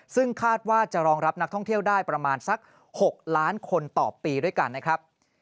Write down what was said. ซึ่งคาดว่าจะรองรับนักท่องเที่ยวได้ประมาณสัก๖ล้านคนต่อปีด้วยกันนะครับ